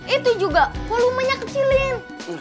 itu juga volumenya kecilin